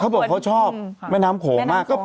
เขาบอกเขาชอบแม่น้ำโขงมาก